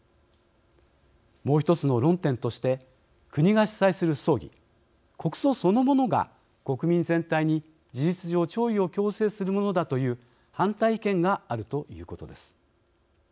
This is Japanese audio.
もう１つの論点として国が主催する葬儀国葬そのものが国民全体に事実上弔意を強制するものだという反対意見があるということです。